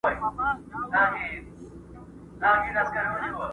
o خداى ته مرض کم نه دئ، مريض ته بانه٫